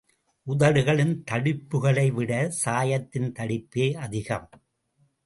உதடுகளின் தடிப்புக்களைவிட சாயத்தின் தடிப்பே அதிகம்.